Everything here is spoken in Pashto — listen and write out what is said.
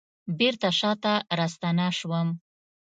بیرته شاته راستنه شوم